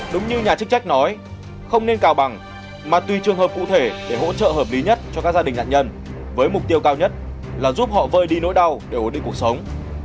đúng như nhà chức trách nói không nên cào bằng mà tùy trường hợp cụ thể để hỗ trợ hợp lý nhất cho các gia đình nạn nhân với mục tiêu cao nhất là giúp họ vơi đi nỗi đau để ổn định cuộc sống